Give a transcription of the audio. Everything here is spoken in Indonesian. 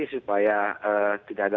supaya tidak ada